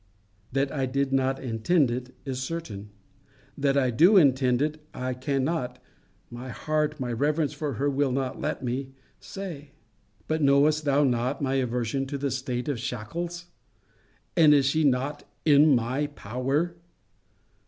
That I did not intend it, is certain. That I do intend it, I cannot (my heart, my reverence for her, will not let me) say. But knowest thou not my aversion to the state of shackles? And is she not IN MY POWER?